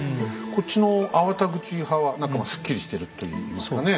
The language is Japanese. こっちの粟田口派は何かまあすっきりしてるといいますかね。